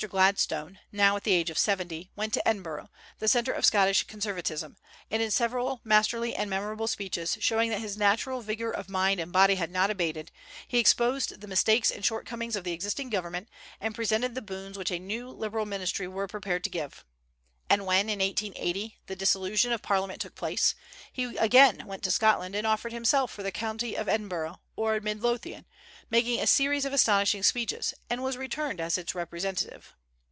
Gladstone, now at the age of seventy, went to Edinburgh, the centre of Scottish conservatism, and in several masterly and memorable speeches, showing that his natural vigor of mind and body had not abated, he exposed the mistakes and shortcomings of the existing government and presented the boons which a new Liberal ministry were prepared to give. And when in 1880 the dissolution of Parliament took place, he again went to Scotland and offered himself for the county of Edinburgh, or Midlothian, making a series of astonishing speeches, and was returned as its representative.